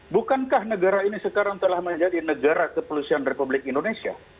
bukankah negara ini sekarang telah menjadi negara kepolisian republik indonesia